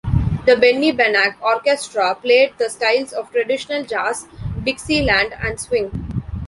The Benny Benack Orchestra played the styles of traditional jazz, dixieland, and swing.